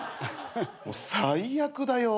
最悪だよ。